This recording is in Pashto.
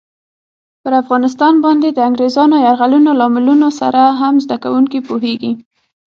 پر افغانستان باندې د انګریزانو یرغلونو لاملونو سره هم زده کوونکي پوهېږي.